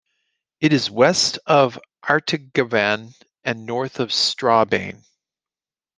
It is west of Artigarvan and north of Strabane.